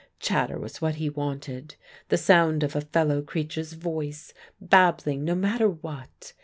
Chatter was what he wanted, the sound of a fellow creature's voice, babbling no matter what.